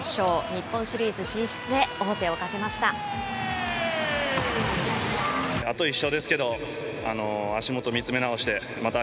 日本シリーズ進出へ王手をかけました。